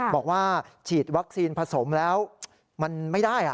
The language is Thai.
บอกว่าฉีดวัคซีนผสมแล้วมันไม่ได้